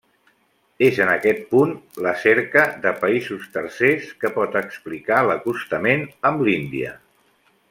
És en aquest punt, la cerca de països tercers, que pot explicar l'acostament amb l'Índia.